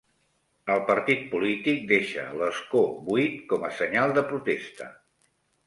El partit polític deixa l'escó buit com a senyal de protesta